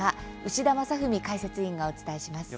牛田正史解説委員がお伝えします。